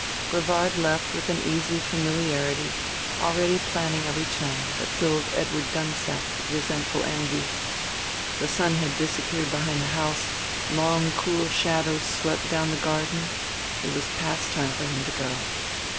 Brevard left with an easy familiarity, already planning a return, that filled Edward Dunsack with resentful envy. The sun had disappeared behind the house; long cool shadows swept down the garden; it was past time for him to go.